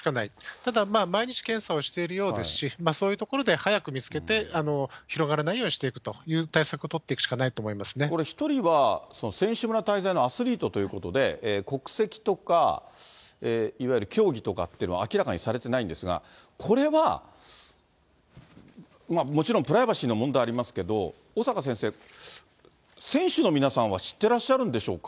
ただ毎日検査をしているようですし、そういうところで早く見つけて、広がらないようにしていくという対策を取っていくしかないと思い１人は選手村滞在のアスリートということで、国籍とか、いわゆる競技とかっていうのは明らかにされてないんですが、これはもちろん、プライバシーの問題がありますけど、小坂先生、選手の皆さんは知ってらっしゃるんでしょうか。